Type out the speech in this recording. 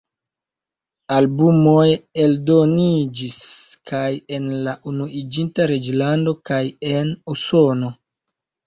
Albumoj eldoniĝis kaj en la Unuiĝinta Reĝlando kaj en Usono.